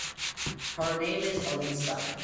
Her name is Elisa.